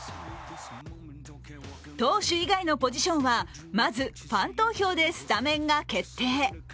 投手以外のポジションはまずファン投票でスタメンが決定。